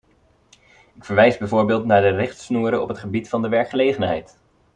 Ik verwijs bijvoorbeeld naar de richtsnoeren op het gebied van de werkgelegenheid.